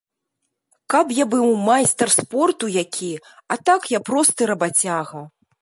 Каб я быў майстар спорту які, а так я просты рабацяга.